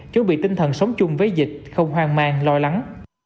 chuẩn bị tinh thần sống chung với dịch không hoang mang